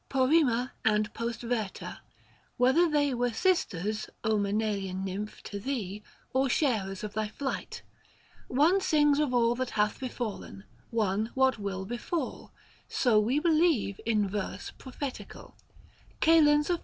Porrima and Postverta : whether they Were sisters, Msenalian nymph, to thee, 680 Or sharers of thy flight. One sings of all That hath befallen, one what will befall ; So we believe, in verse prophetical. XVII. KAL.